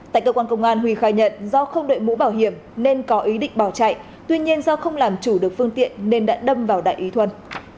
tại cơ quan công an huy khai nhận do không đợi mũ bảo hiểm nên có ý định bỏ chạy tuy nhiên do không làm chủ được phương tiện nên đã đâm vào đại úy thuân